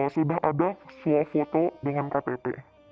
sudah ada sua foto dengan ktp